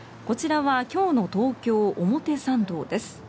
こちらは今日の東京・表参道です。